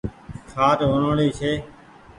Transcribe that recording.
کآٽ وڻوڻي ڇي۔